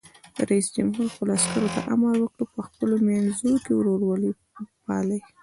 رئیس جمهور خپلو عسکرو ته امر وکړ؛ په خپلو منځو کې ورورولي پالئ!